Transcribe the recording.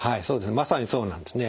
まさにそうなんですね。